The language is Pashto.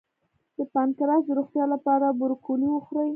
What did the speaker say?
د پانکراس د روغتیا لپاره بروکولي وخورئ